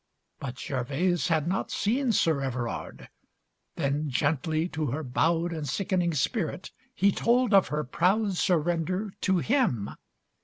But Gervase had not seen Sir Everard. Then, gently, to her bowed And sickening spirit, he told of her proud Surrender to him.